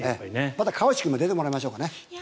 また川内君に出てもらいましょうかね。